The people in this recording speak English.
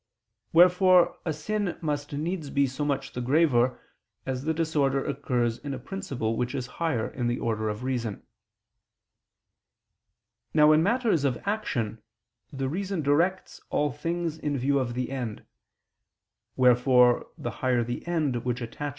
Wherefore a sin must needs be so much the graver, as the disorder occurs in a principle which is higher in the order of reason. Now in matters of action the reason directs all things in view of the end: wherefore the higher the end which attaches to sins in human acts, the graver the sin.